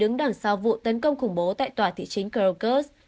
đúng đằng sau vụ tấn công khủng bố tại tòa thị chính kyrgyzstan